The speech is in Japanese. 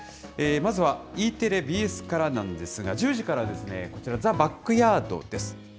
まずはＥテレ、ＢＳからなんですが、１０時からですね、こちら、ザ・バックヤードです。